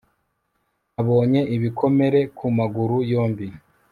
Nabonye ibikomere ku maguru yombi